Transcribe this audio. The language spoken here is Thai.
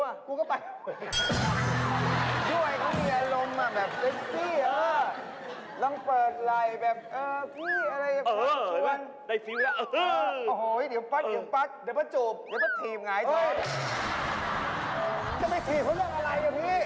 จะไปโดนอะไรอ่ะพี่